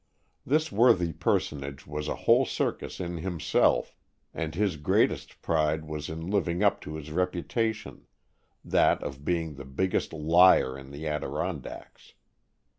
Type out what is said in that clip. This worthy personage was a whole circus in himself and his greatest pride was in living up to his reputation— that of being the biggest liar in the Adiron dacks.